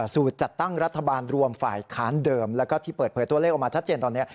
สูตรจัดตั้งรัฐบาลรวมฝ่ายค้านเดิมแล้วก็ที่เปิดเผยตัวเลขออกมาชัดเจนตอนนี้